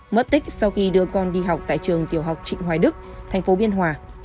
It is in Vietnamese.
mất tích sau khi đưa con đi học tại trường tiểu học trịnh hoài đức tp biên hòa